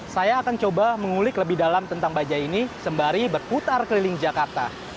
saya akan coba mengulik lebih dalam tentang bajaj ini sembari berputar keliling jakarta